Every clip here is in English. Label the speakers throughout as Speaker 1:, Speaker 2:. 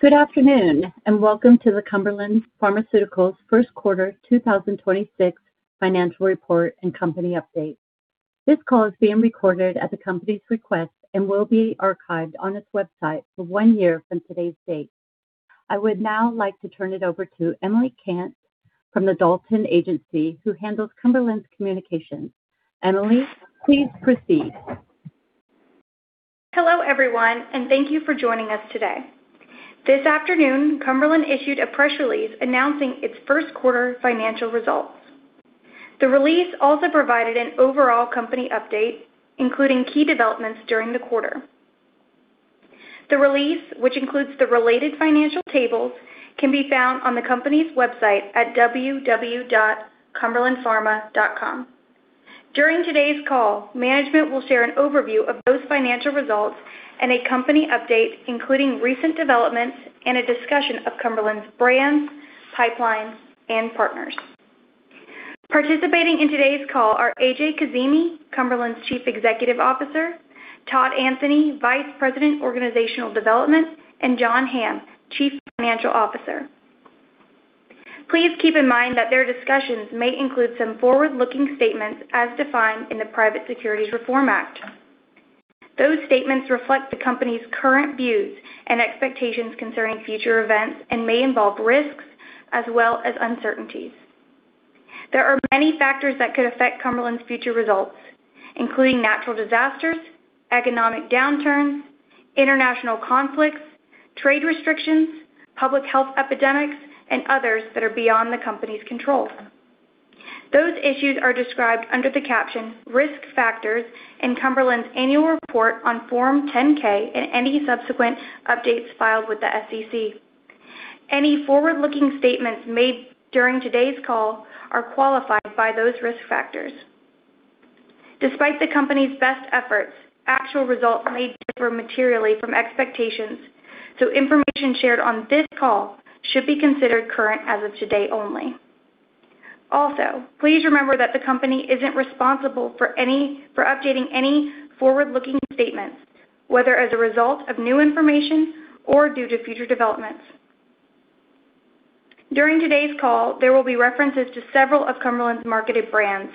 Speaker 1: Good afternoon, and welcome to the Cumberland Pharmaceuticals first quarter 2026 financial report and company update. This call is being recorded at the company's request and will be archived on its website for one year from today's date. I would now like to turn it over to Emily Kent from the Dalton Agency, who handles Cumberland's communications. Emily, please proceed.
Speaker 2: Hello, everyone, and thank you for joining us today. This afternoon, Cumberland issued a press release announcing its first quarter financial results. The release also provided an overall company update, including key developments during the quarter. The release, which includes the related financial tables, can be found on the company's website at cumberlandpharma.com. During today's call, management will share an overview of those financial results and a company update, including recent developments and a discussion of Cumberland's brands, pipelines, and partners. Participating in today's call are A.J. Kazimi, Cumberland's Chief Executive Officer, Todd M. Anthony, Vice President, Organizational Development, and John M. Hamm, Chief Financial Officer. Please keep in mind that their discussions may include some forward-looking statements as defined in the Private Securities Litigation Reform Act. Those statements reflect the company's current views and expectations concerning future events and may involve risks as well as uncertainties. There are many factors that could affect Cumberland's future results, including natural disasters, economic downturns, international conflicts, trade restrictions, public health epidemics, and others that are beyond the company's control. Those issues are described under the caption Risk Factors in Cumberland's annual report on Form 10-K and any subsequent updates filed with the SEC. Any forward-looking statements made during today's call are qualified by those risk factors. Despite the company's best efforts, actual results may differ materially from expectations, so information shared on this call should be considered current as of today only. Also, please remember that the company isn't responsible for updating any forward-looking statements, whether as a result of new information or due to future developments. During today's call, there will be references to several of Cumberland's marketed brands.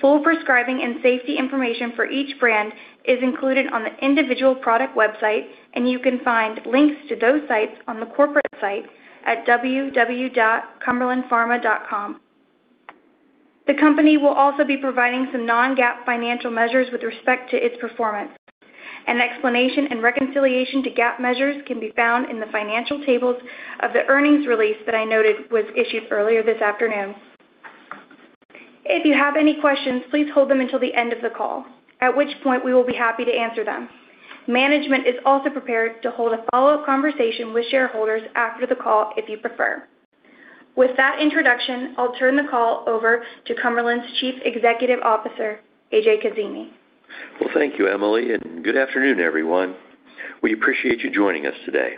Speaker 2: Full prescribing and safety information for each brand is included on the individual product website, and you can find links to those sites on the corporate site at www.cumberlandpharma.com. The company will also be providing some non-GAAP financial measures with respect to its performance. An explanation and reconciliation to GAAP measures can be found in the financial tables of the earnings release that I noted was issued earlier this afternoon. If you have any questions, please hold them until the end of the call, at which point we will be happy to answer them. Management is also prepared to hold a follow-up conversation with shareholders after the call if you prefer. With that introduction, I'll turn the call over to Cumberland's Chief Executive Officer, A.J. Kazimi.
Speaker 3: Well, thank you, Emily, and good afternoon, everyone. We appreciate you joining us today.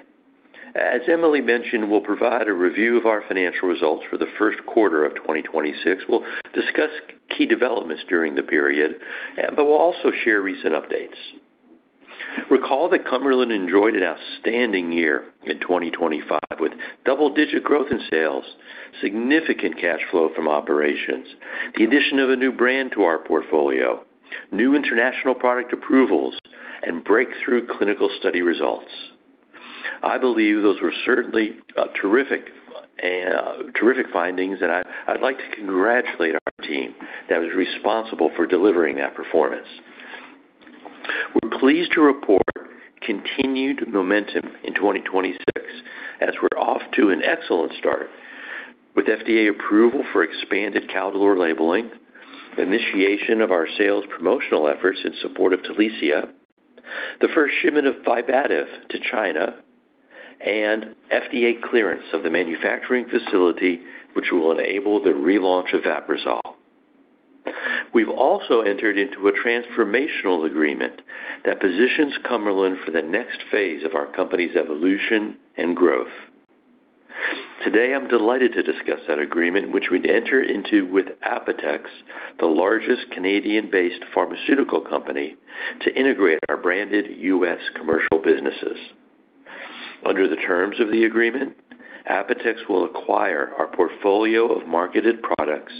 Speaker 3: As Emily mentioned, we'll provide a review of our financial results for the first quarter of 2026. We'll discuss key developments during the period, but we'll also share recent updates. Recall that Cumberland enjoyed an outstanding year in 2025 with double-digit growth in sales, significant cash flow from operations, the addition of a new brand to our portfolio, new international product approvals, and breakthrough clinical study results. I believe those were certainly terrific findings, and I'd like to congratulate our team that was responsible for delivering that performance. We're pleased to report continued momentum in 2026 as we're off to an excellent start with FDA approval for expanded Caldolor labeling, the initiation of our sales promotional efforts in support of Talicia, the first shipment of Vibativ to China, and FDA clearance of the manufacturing facility which will enable the relaunch of Vaprisol. We've also entered into a transformational agreement that positions Cumberland for the next phase of our company's evolution and growth. Today, I'm delighted to discuss that agreement, which we'd enter into with Apotex, the largest Canadian-based pharmaceutical company, to integrate our branded U.S. commercial businesses. Under the terms of the agreement, Apotex will acquire our portfolio of marketed products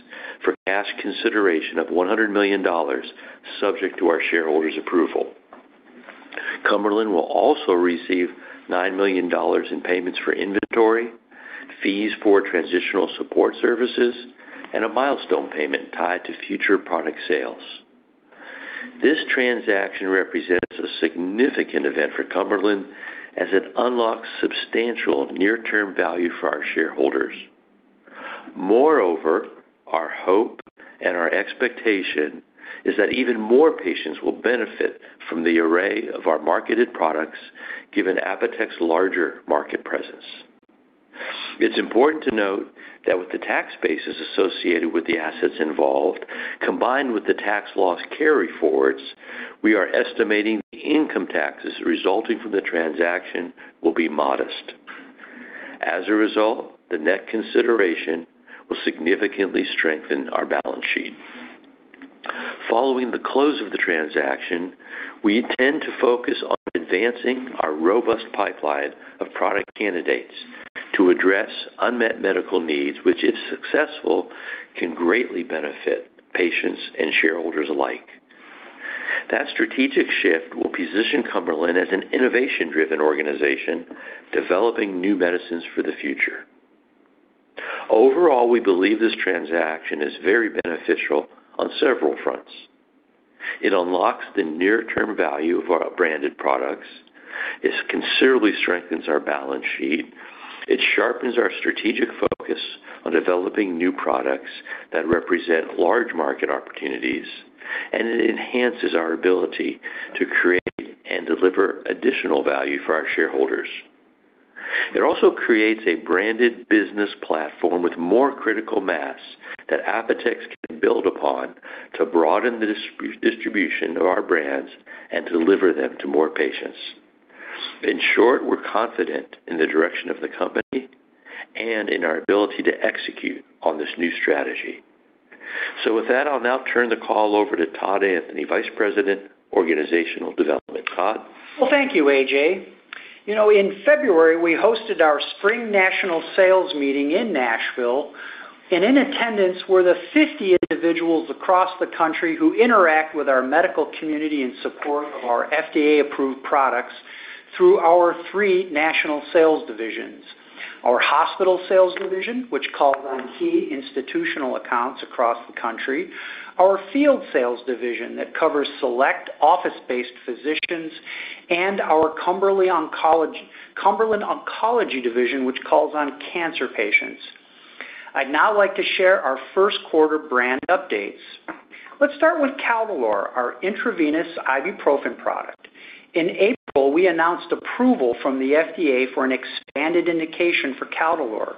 Speaker 3: for cash consideration of $100 million, subject to our shareholders' approval. Cumberland will also receive $9 million in payments for inventory, fees for transitional support services, and a milestone payment tied to future product sales. This transaction represents a significant event for Cumberland as it unlocks substantial near-term value for our shareholders. Moreover, our hope and our expectation is that even more patients will benefit from the array of our marketed products given Apotex's larger market presence. It's important to note that with the tax bases associated with the assets involved, combined with the tax loss carryforwards, we are estimating the income taxes resulting from the transaction will be modest. As a result, the net consideration will significantly strengthen our balance sheet. Following the close of the transaction, we intend to focus on advancing our robust pipeline of product candidates to address unmet medical needs, which, if successful, can greatly benefit patients and shareholders alike. That strategic shift will position Cumberland as an innovation-driven organization, developing new medicines for the future. We believe this transaction is very beneficial on several fronts. It unlocks the near-term value of our branded products. It considerably strengthens our balance sheet. It sharpens our strategic focus on developing new products that represent large market opportunities. It enhances our ability to create and deliver additional value for our shareholders. It also creates a branded business platform with more critical mass that Apotex can build upon to broaden the distribution of our brands and deliver them to more patients. We're confident in the direction of the company and in our ability to execute on this new strategy. With that, I'll now turn the call over to Todd M. Anthony, Vice President, Organizational Development. Todd?
Speaker 4: Well, thank you, A.J. You know, in February, we hosted our spring national sales meeting in Nashville, and in attendance were the 50 individuals across the country who interact with our medical community in support of our FDA-approved products through our three national sales divisions. Our hospital sales division, which calls on key institutional accounts across the country, our field sales division that covers select office-based physicians, and the Cumberland Oncology Division, which calls on cancer patients. I'd now like to share our first quarter brand updates. Let's start with Caldolor, our intravenous ibuprofen product. In April, we announced approval from the FDA for an expanded indication for Caldolor.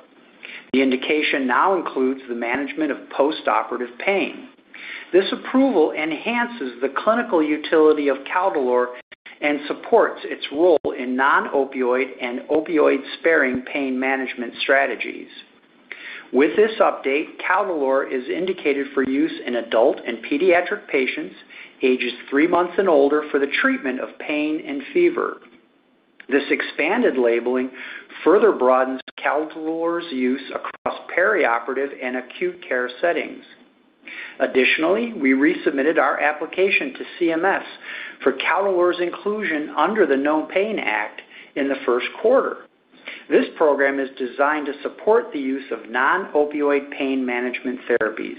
Speaker 4: The indication now includes the management of post-operative pain. This approval enhances the clinical utility of Caldolor and supports its role in non-opioid and opioid-sparing pain management strategies. With this update, Caldolor is indicated for use in adult and pediatric patients ages three months and older for the treatment of pain and fever. This expanded labeling further broadens Caldolor's use across perioperative and acute care settings. Additionally, we resubmitted our application to CMS for Caldolor's inclusion under the NOPAIN Act in the first quarter. This program is designed to support the use of non-opioid pain management therapies.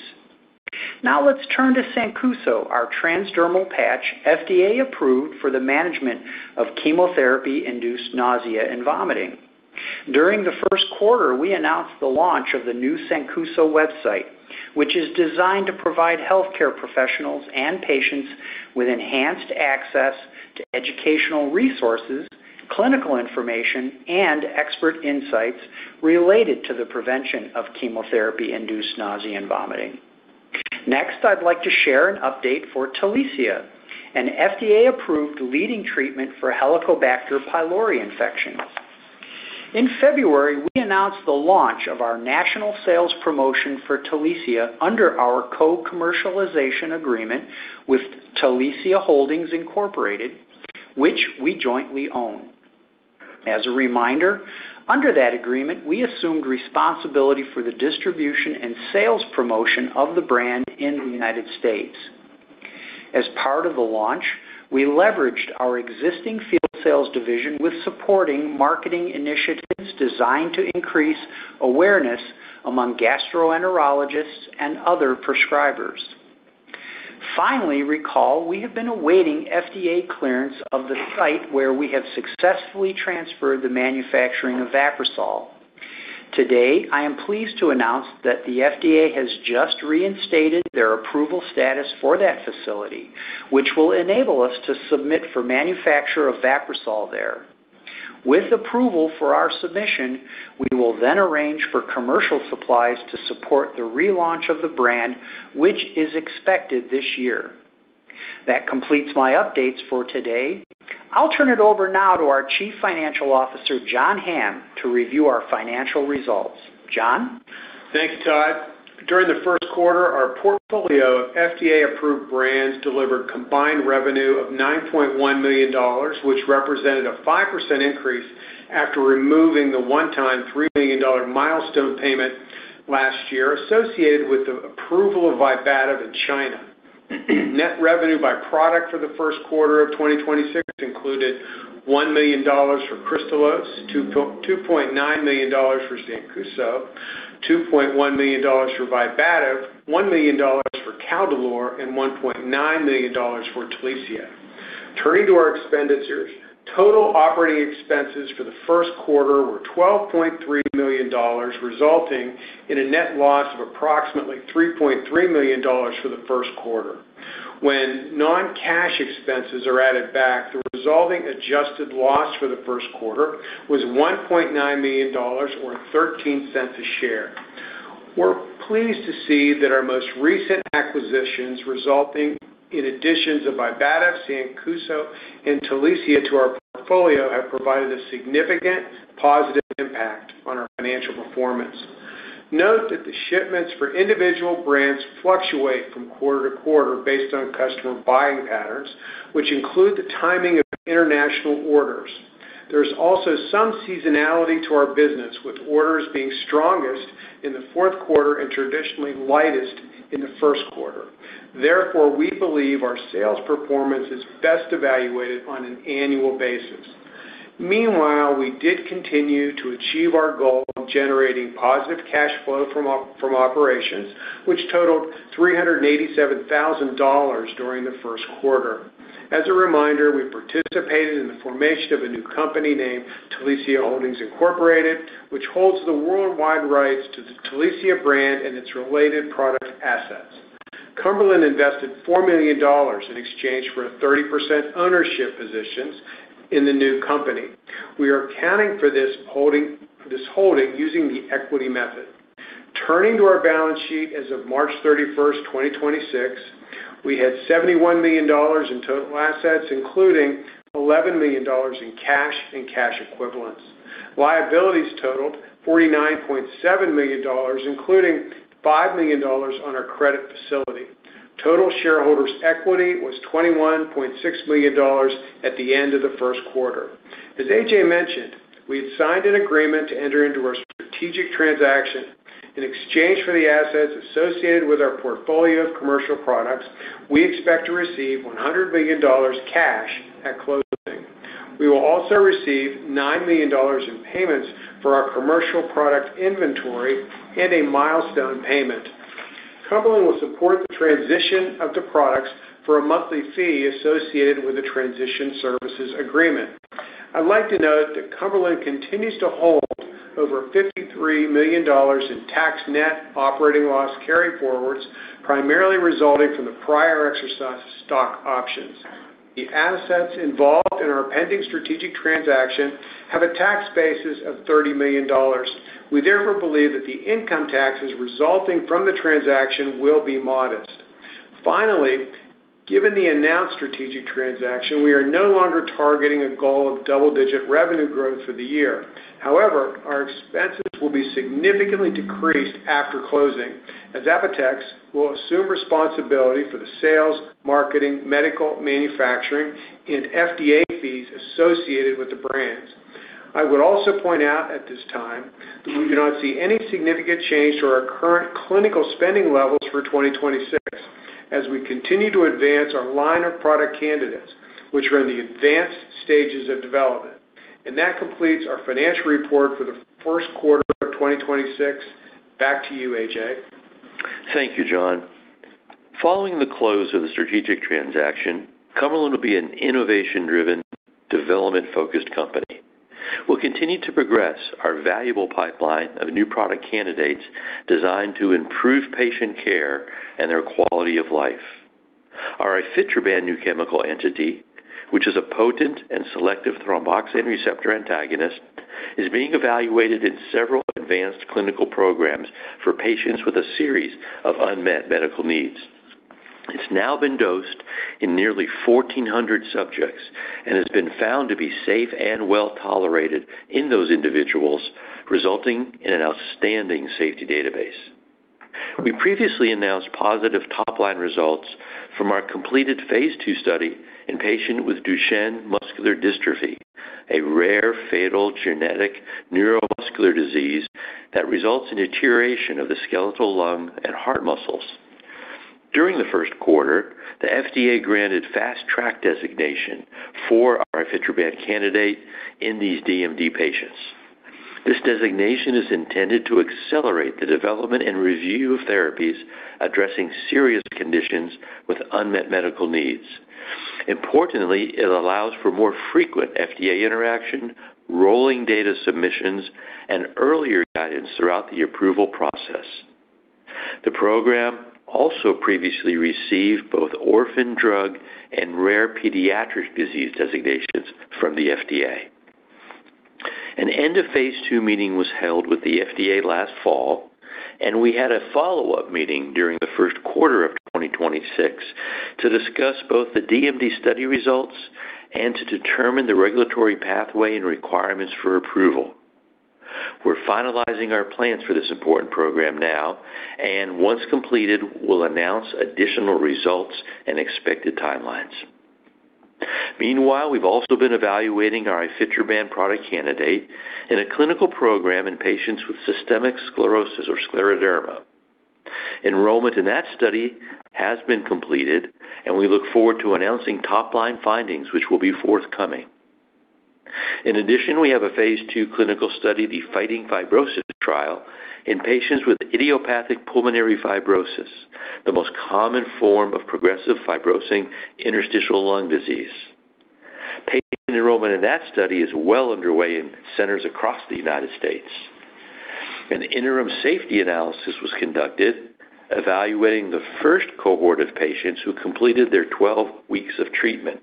Speaker 4: Now let's turn to Sancuso, our transdermal patch, FDA-approved for the management of chemotherapy-induced nausea and vomiting. During the first quarter, we announced the launch of the new Sancuso website, which is designed to provide healthcare professionals and patients with enhanced access to educational resources, clinical information, and expert insights related to the prevention of chemotherapy-induced nausea and vomiting. Next, I'd like to share an update for Talicia, an FDA-approved leading treatment for Helicobacter pylori infection. In February, we announced the launch of our national sales promotion for Talicia under our co-commercialization agreement with Talicia Holdings, Incorporated, which we jointly own. As a reminder, under that agreement, we assumed responsibility for the distribution and sales promotion of the brand in the United States. As part of the launch, we leveraged our existing field sales division with supporting marketing initiatives designed to increase awareness among gastroenterologists and other prescribers. Recall, we have been awaiting FDA clearance of the site where we have successfully transferred the manufacturing of Vaprisol. Today, I am pleased to announce that the FDA has just reinstated their approval status for that facility, which will enable us to submit for manufacture of Vaprisol there. With approval for our submission, we will then arrange for commercial supplies to support the relaunch of the brand, which is expected this year. That completes my updates for today. I'll turn it over now to our Chief Financial Officer, John M. Hamm, to review our financial results. John?
Speaker 5: Thank you, Todd. During the first quarter, our portfolio of FDA-approved brands delivered combined revenue of $9.1 million, which represented a 5% increase after removing the one-time $3 million milestone payment last year associated with the approval of Vibativ in China. Net revenue by product for the first quarter of 2026 included $1 million for Kristalose, $2.9 million for Sancuso, $2.1 million for Vibativ, $1 million for Caldolor, and $1.9 million for Talicia. Turning to our expenditures, total operating expenses for the first quarter were $12.3 million, resulting in a net loss of approximately $3.3 million for the first quarter. When non-cash expenses are added back, the resulting adjusted loss for the first quarter was $1.9 million or $0.13 a share. We're pleased to see that our most recent acquisitions resulting in additions of Vibativ, Sancuso, and Talicia to our portfolio have provided a significant positive impact on our financial performance. Note that the shipments for individual brands fluctuate from quarter to quarter based on customer buying patterns, which include the timing of international orders. There's also some seasonality to our business, with orders being strongest in the fourth quarter and traditionally lightest in the first quarter. Therefore, we believe our sales performance is best evaluated on an annual basis. Meanwhile, we did continue to achieve our goal of generating positive cash flow from operations, which totaled $387,000 during the first quarter. As a reminder, we participated in the formation of a new company named Talicia Holdings, Inc., which holds the worldwide rights to the Talicia brand and its related product assets. Cumberland invested $4 million in exchange for a 30% ownership positions in the new company. We are accounting for this holding using the equity method. Turning to our balance sheet as of March 31st, 2026, we had $71 million in total assets, including $11 million in cash and cash equivalents. Liabilities totaled $49.7 million, including $5 million on our credit facility. Total shareholders' equity was $21.6 million at the end of the first quarter. As A.J. Kazimi mentioned, we had signed an agreement to enter into our strategic transaction. In exchange for the assets associated with our portfolio of commercial products, we expect to receive $100 million cash at closing. We will also receive $9 million in payments for our commercial product inventory and a milestone payment. Cumberland will support the transition of the products for a monthly fee associated with the transition services agreement. I'd like to note that Cumberland continues to hold over $53 million in tax net operating loss carryforwards, primarily resulting from the prior exercise of stock options. The assets involved in our pending strategic transaction have a tax basis of $30 million. We therefore believe that the income taxes resulting from the transaction will be modest. Given the announced strategic transaction, we are no longer targeting a goal of double-digit revenue growth for the year. Our expenses will be significantly decreased after closing as Apotex will assume responsibility for the sales, marketing, medical, manufacturing, and FDA fees associated with the brands. I would also point out at this time that we do not see any significant change to our current clinical spending levels for 2026 as we continue to advance our line of product candidates, which are in the advanced stages of development. That completes our financial report for the first quarter of 2026. Back to you, A.J.
Speaker 3: Thank you, John. Following the close of the strategic transaction, Cumberland will be an innovation-driven, development-focused company. We'll continue to progress our valuable pipeline of new product candidates designed to improve patient care and their quality of life. Our ifetroban new chemical entity, which is a potent and selective thromboxane receptor antagonist, is being evaluated in several advanced clinical programs for patients with a series of unmet medical needs. It's now been dosed in nearly 1,400 subjects and has been found to be safe and well-tolerated in those individuals, resulting in an outstanding safety database. We previously announced positive top-line results from our completed phase II study in patients with Duchenne muscular dystrophy, a rare fatal genetic neuromuscular disease that results in deterioration of the skeletal, lung, and heart muscles. During the first quarter, the FDA granted Fast Track designation for our ifetroban candidate in these DMD patients. This designation is intended to accelerate the development and review of therapies addressing serious conditions with unmet medical needs. Importantly, it allows for more frequent FDA interaction, rolling data submissions, and earlier guidance throughout the approval process. The program also previously received both Orphan Drug and Rare Pediatric Disease designations from the FDA. An end-of-phase II meeting was held with the FDA last fall, and we had a follow-up meeting during the first quarter of 2026 to discuss both the DMD study results and to determine the regulatory pathway and requirements for approval. We're finalizing our plans for this important program now, and once completed, we'll announce additional results and expected timelines. Meanwhile, we've also been evaluating our ifetroban product candidate in a clinical program in patients with systemic sclerosis or scleroderma. Enrollment in that study has been completed. We look forward to announcing top-line findings which will be forthcoming. In addition, we have a phase II clinical study, the Fighting Fibrosis trial, in patients with idiopathic pulmonary fibrosis, the most common form of progressive fibrosing interstitial lung disease. Patient enrollment in that study is well underway in centers across the U.S. An interim safety analysis was conducted evaluating the 1st cohort of patients who completed their 12 weeks of treatment.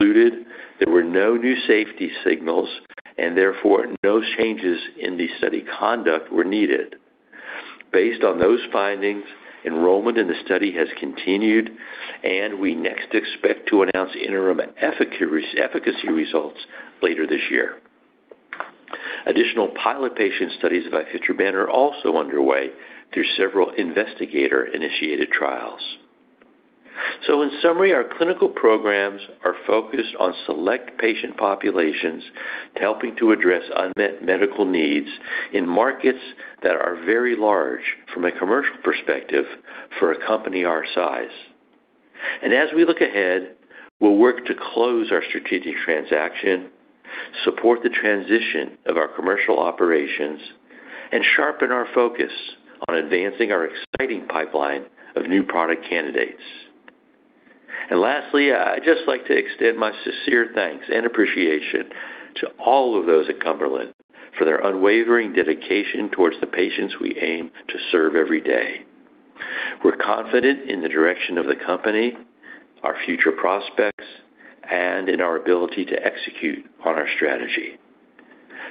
Speaker 3: The independent committee concluded there were no new safety signals. Therefore, no changes in the study conduct were needed. Based on those findings, enrollment in the study has continued. We next expect to announce interim efficacy results later this year. Additional pilot patient studies of ifetroban are also underway through several investigator-initiated trials. In summary, our clinical programs are focused on select patient populations to helping to address unmet medical needs in markets that are very large from a commercial perspective for a company our size. As we look ahead, we'll work to close our strategic transaction, support the transition of our commercial operations, and sharpen our focus on advancing our exciting pipeline of new product candidates. Lastly, I'd just like to extend my sincere thanks and appreciation to all of those at Cumberland for their unwavering dedication towards the patients we aim to serve every day. We're confident in the direction of the company, our future prospects, and in our ability to execute on our strategy.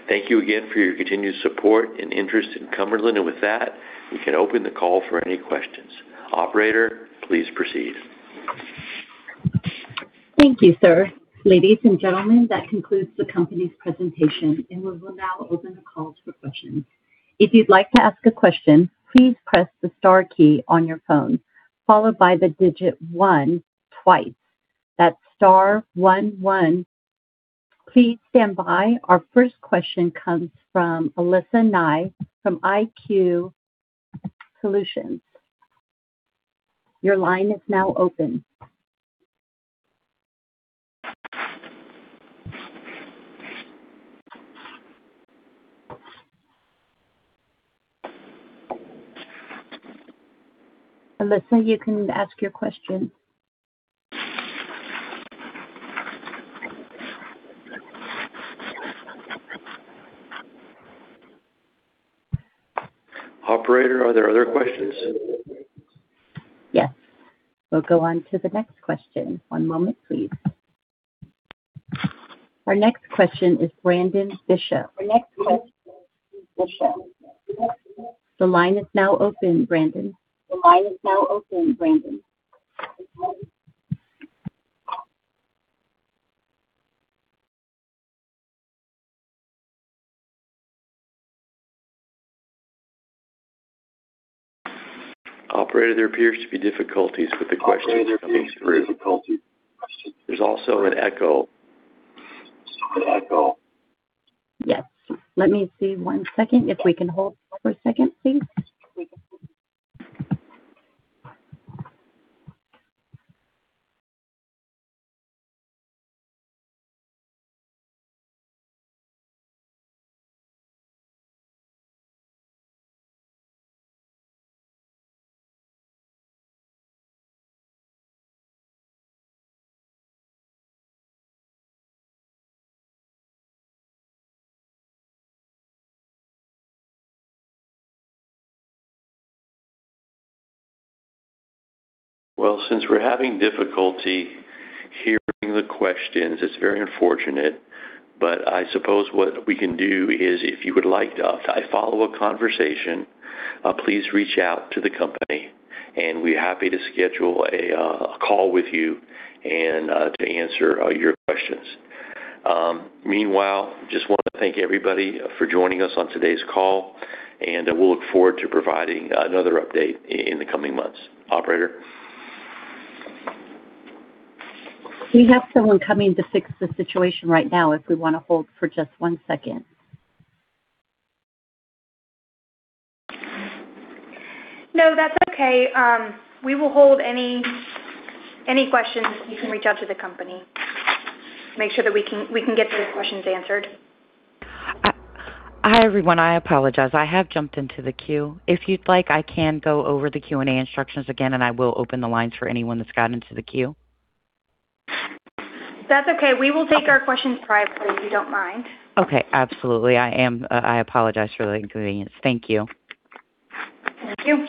Speaker 3: Thank you again for your continued support and interest in Cumberland. With that, we can open the call for any questions. Operator, please proceed.
Speaker 1: Thank you, sir. Ladies and gentlemen, that concludes the company's presentation, and we will now open the calls for questions. Our first question comes from Alyssa Nye from IQ Solutions. Your line is now open. Alyssa, you can ask your question.
Speaker 3: Operator, are there other questions?
Speaker 1: Yes. We'll go on to the next question. One moment, please. Our next question is Brandon Bishop. The line is now open, Brandon.
Speaker 3: Operator, there appears to be difficulties with the questions coming through. There is also an echo.
Speaker 1: Yes. Let me see one second. If we can hold for a second, please.
Speaker 3: Since we're having difficulty hearing the questions, it's very unfortunate. I suppose what we can do is if you would like to follow a conversation, please reach out to the company. We're happy to schedule a call with you and to answer your questions. Meanwhile, just wanna thank everybody for joining us on today's call. We'll look forward to providing another update in the coming months. Operator?
Speaker 1: We have someone coming to fix the situation right now if we wanna hold for just one second.
Speaker 2: No, that's okay. We will hold any questions. You can reach out to the company. Make sure that we can get those questions answered.
Speaker 1: Hi, everyone. I apologize. I have jumped into the queue. If you'd like, I can go over the Q&A instructions again, and I will open the lines for anyone that's gotten into the queue.
Speaker 2: That's okay. We will take our questions privately, if you don't mind.
Speaker 1: Absolutely. I apologize for the inconvenience. Thank you.
Speaker 2: Thank you.